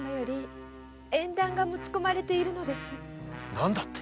何だって？